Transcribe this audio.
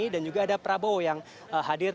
dan juga ada prabowo yang hadir